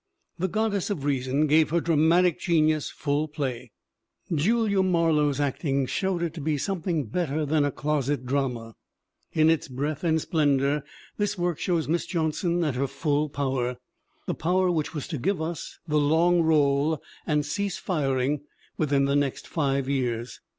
The Goddess of Reason gave her dramatic genius full play; Julia Marlowe's acting showed it to be something better than a closet drama. In its breadth and splendor this work showed Miss Johnson at her full power, the power which was to give us The Long Roll and Cease Firing within the next five years.